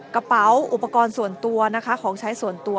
กระเป๋าอุปกรณ์ส่วนตัวนะคะของใช้ส่วนตัว